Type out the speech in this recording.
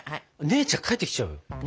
姉ちゃん帰ってきちゃうよ。